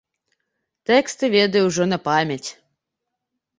Тэксты ведаю ўжо на памяць.